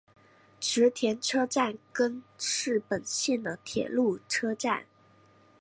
池田车站根室本线的铁路车站。